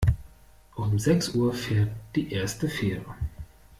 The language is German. Um sechs Uhr fährt die erste Fähre.